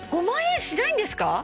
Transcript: ５万円しないんですか？